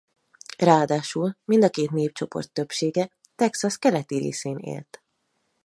Ráadásul mind a két népcsoport többsége Texas keleti részén élt.